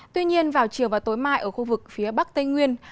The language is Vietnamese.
tuy nhiên vào chiều và tối mai ở khu vực phía bắc tây nguyên